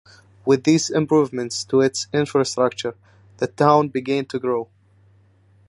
With these improvements to its infrastructure, the town began to grow.